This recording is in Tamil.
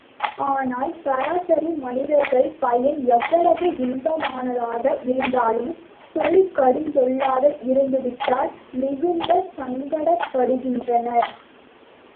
ஆனால் சராசரி மனிதர்கள் பயன் எவ்வளவு இன்பமானதாக இருந்தாலும் சொல் கடுஞ்சொல்லாக இருந்துவிட்டால் மிகுந்த சங்கடப்படுகின்றனர்.